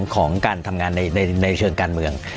ของการทำงานในเชิงการเมือง